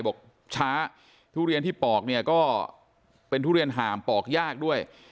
ช้าทุเรียนที่ปอกเนี่ยก็เป็นทุเรียนห่ามปอกยากด้วย